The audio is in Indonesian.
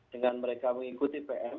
dengan mereka mengikuti pm